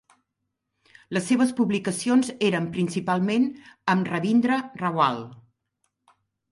Les seves publicacions eren principalment amb Ravindra Rawal.